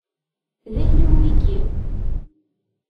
D ayla-w wiyi?